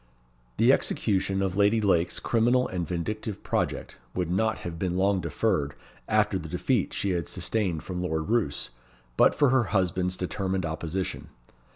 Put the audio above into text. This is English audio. The execution of Lady Lake's criminal and vindictive project would not have been long deferred, after the defeat she had sustained from Lord Roos, but for her husband's determined opposition.